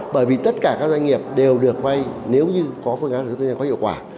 bởi vì tất cả các doanh nghiệp đều được vay nếu như có phương án sử dụng đất có hiệu quả